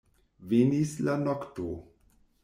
Venis la nokto.